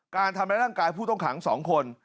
การทำร้ายร่างกายผู้ต้องขัง๒คน